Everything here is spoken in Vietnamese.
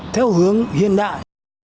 theo hướng hiện đại